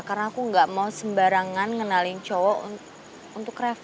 karena aku gak mau sembarangan ngenalin cowok untuk reva